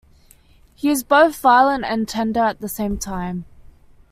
He is both violent and tender at the same time.